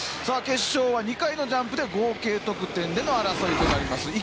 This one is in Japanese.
決勝は２回のジャンプで合計得点での争いとなります。